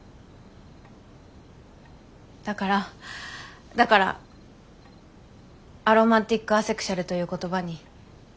だからだからアロマンティック・アセクシュアルという言葉に。